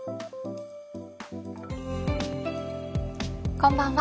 こんばんは。